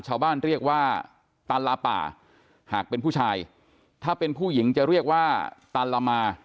ชาวบ้านเรียกว่าตันลาป่าหากเป็นผู้ชายถ้าเป็นผู้หญิงจะเรียกว่าตันละมา